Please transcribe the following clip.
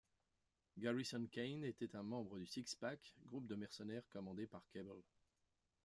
Garrison Kane était un membre du Six Pack, groupe de mercenaires commandé par Cable.